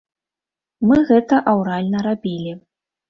Мы гэта аўральна рабілі.